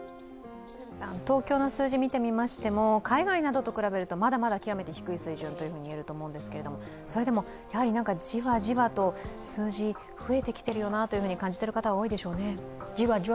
東京の数字を見てみましても海外などと比べるとまだまだ低い水準といえると思うんですが、それでもじわじわと数字、増えてきているよなと感じている方は多いでしょうね？